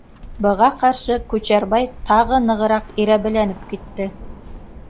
Быға ҡаршы Күчәрбай тағы нығыраҡ ирәбеләнеп китте.